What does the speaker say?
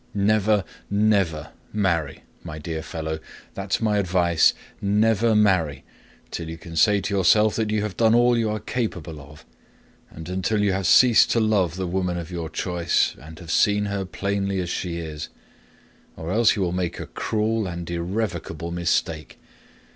"Never, never marry, my dear fellow! That's my advice: never marry till you can say to yourself that you have done all you are capable of, and until you have ceased to love the woman of your choice and have seen her plainly as she is, or else you will make a cruel and irrevocable mistake.